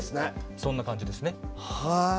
そんな感じですね。